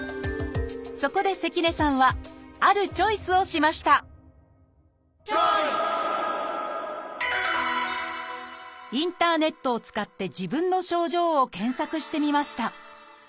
そこで関根さんはあるチョイスをしましたインターネットを使って自分の症状を検索してみました。